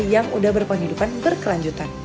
yang udah berpenghidupan berkelanjutan